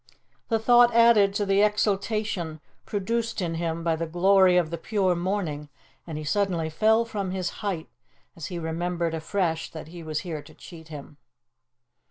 The thought added to the exultation produced in him by the glory of the pure morning; and he suddenly fell from his height as he remembered afresh that he was here to cheat him.